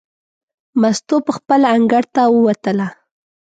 مستو پخپله انګړ ته ووتله.